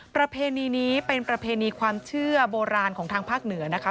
ประเพณีนี้เป็นประเพณีความเชื่อโบราณของทางภาคเหนือนะคะ